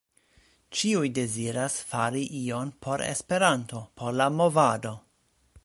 Ĉiuj deziras fari ion por Esperanto, por la movado.